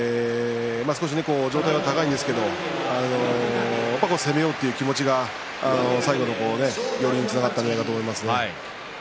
少し上体が高いんですけれども攻めようという気持ちが最後の寄りにつながったんじゃないかと思いますね。